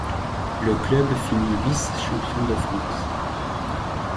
Le club finit vice-champion de France.